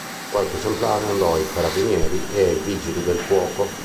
Qualche esemplare andò ai Carabinieri e ai Vigili del Fuoco.